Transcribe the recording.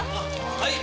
はい。